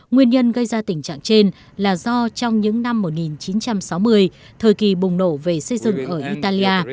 nguyên nhân gây ra tình trạng trên là do trong những năm một nghìn chín trăm sáu mươi thời kỳ bùng nổ về xây dựng ở italia